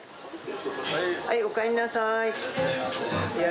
おかえりなさい。